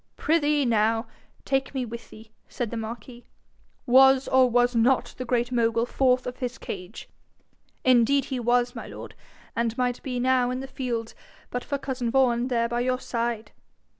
'Prithee, now, take me with thee,' said the marquis. 'Was, or was not the Great Mogul forth of his cage?' 'Indeed he was, my lord, and might be now in the fields but for cousin Vaughan there by your side.'